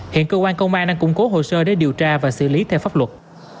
hiện cơ quan công an đang củng cố hồ sơ để điều tra và xử lý theo pháp luật